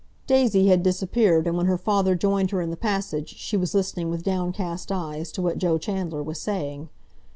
Daisy had disappeared, and when her father joined her in the passage she was listening, with downcast eyes, to what Joe Chandler was saying.